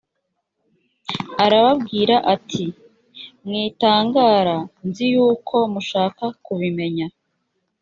arababwira ati mwitangara nzi yuko mushaka kubimenya